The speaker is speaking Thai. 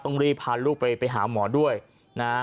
ต้องรีบพาลูกไปไปหาหมอด้วยนะฮะ